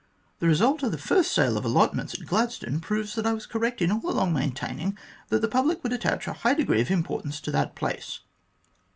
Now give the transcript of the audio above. The result of the first sale of allotments at Gladstone proves that I was correct in all along maintaining that the public would attach a high degree of importance to that place."